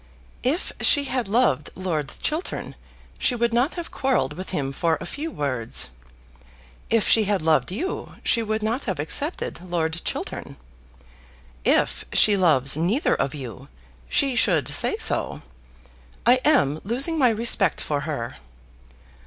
"If she had loved Lord Chiltern she would not have quarrelled with him for a few words. If she had loved you, she would not have accepted Lord Chiltern. If she loves neither of you, she should say so. I am losing my respect for her."